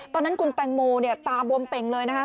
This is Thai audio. ตอนนั้นคุณแตงโมตาบวมเป่งเลยนะคะ